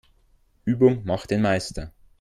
Übung macht den Meister.